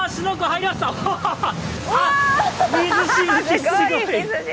わー、水しぶき、すごい。